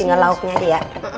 tinggal lauknya dia